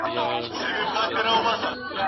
سره اوبرنګه به د وړانګو په نګین شول